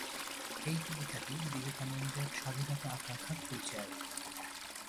এই কবিতাটি বিবেকানন্দের স্বাধীনতা-আকাঙ্ক্ষার পরিচায়ক।